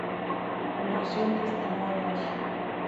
Colección Testimonios.